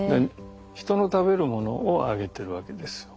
人の食べるものをあげてるわけですよ。